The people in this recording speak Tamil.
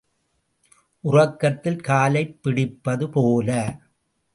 உறக்கத்தில் காலைப் பிடிப்பது போல.